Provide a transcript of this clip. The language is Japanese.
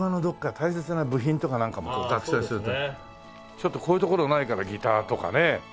ちょっとこういう所ないからギターとかね。